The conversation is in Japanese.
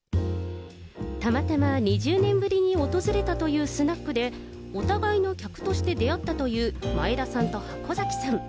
たまたま２０年ぶりに訪れたというスナックで、お互いの客として出会ったという前田さんと箱崎さん。